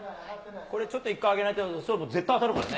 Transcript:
これちょっと一回上げないと、絶対当たるからね。